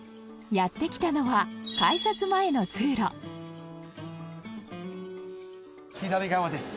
やって来たのは改札前の通路左側です。